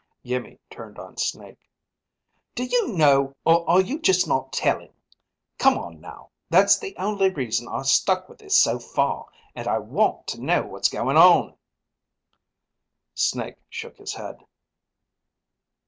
Iimmi turned on Snake. "Do you know, or are you just not telling? Come on now. That's the only reason I stuck with this so far, and I want to know what's going on!" Snake shook his head.